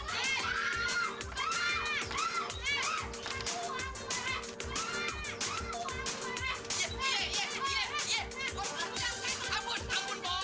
bukan lihat bergosa pak gino